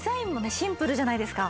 シンプルじゃないですか。